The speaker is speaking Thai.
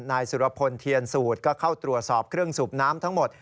นายสุรพลเทียนสูตรก็เข้าตรวจสอบเครื่องสูบน้ำทั้งหมด